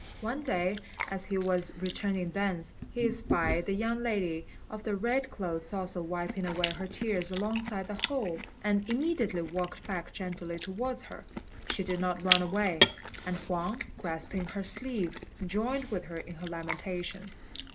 One day, as he was returning thence, he espied the young lady of the red clothes also wiping away her tears alongside the hole, and immediately walked back gently towards her. She did not run away, and Huang, grasping her sleeve, joined with her in her lamentations.